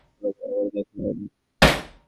আমাদের আবারো দেখা হবে।